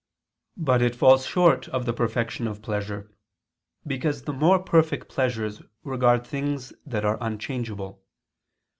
But it falls short of the perfection of pleasure; because the more perfect pleasures regard things that are unchangeable.